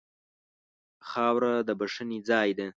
خاوره د بښنې ځای ده.